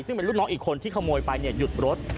ซึ่งเป็นลูกน้องอีกคนที่ขโมยไปหยุดรถ